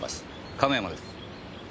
亀山です。